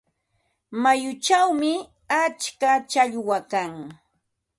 Mayuchawmi atska challwa kan.